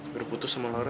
gue udah putus sama laura